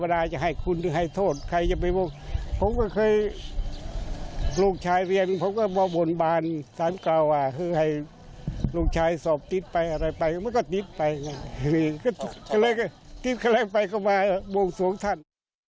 ตี๊กก็เล่นไปกลัวมาวงทรวงท่าน